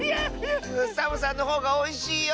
サボさんのほうがおいしいよスイ